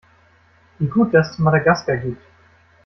Wie gut, dass es Madagaskar gibt!